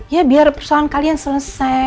ya biar persoalan kalian selesai